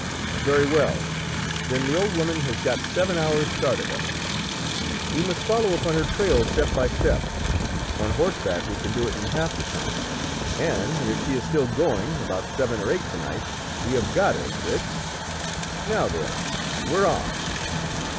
"Very well; then the old woman has got seven hours' start of us. We must follow upon her trail step by step; on horseback we can do it in half the time, and, if she is still going, about seven or eight to night we have got her, Fritz. Now then, we're off."